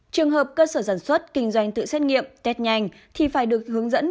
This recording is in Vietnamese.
trường hợp cơ sở sản xuất kinh doanh tự xét nghiệm test nhanh thì phải được hướng dẫn